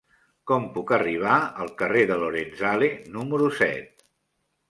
Com puc arribar al carrer de Lorenzale número set?